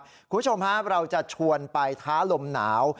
คุณผู้ชมครับเราจะชวนไปท้าลมหนาว